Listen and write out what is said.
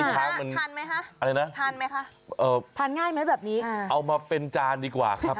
ทานไหมคะเอ่อทานง่ายไหมแบบนี้เอามาเป็นจานดีกว่าครับ